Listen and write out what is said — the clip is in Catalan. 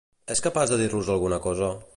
És capaç de dir-los alguna cosa?